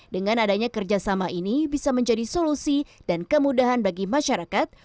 dengan adanya kerjasama ini bisa menjadi solusi dan kemudahan bagi masyarakat